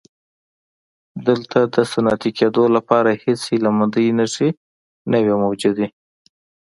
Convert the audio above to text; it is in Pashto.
دلته د صنعتي کېدو لپاره هېڅ هیله مندۍ نښې نه وې موجودې.